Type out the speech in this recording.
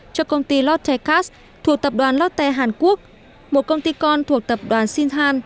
cho công ty lottecast thuộc tập đoàn lotte hàn quốc một công ty con thuộc tập đoàn singhan